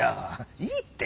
いいって！